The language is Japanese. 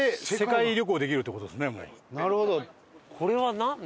なるほど。